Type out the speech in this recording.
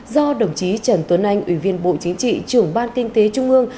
do đồng chí trần tuấn anh ủy viên bộ chính trị trưởng ban kinh tế trung ương